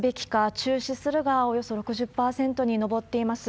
中止するがおよそ６０％に上っています。